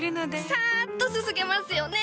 サッとすすげますよね！